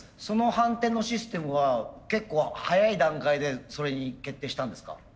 その反転のシステムは結構早い段階でそれに決定したんですか？